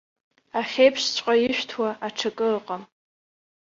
Ахьеиԥшҵәҟьа ишәҭуа аҽакы ыҟам!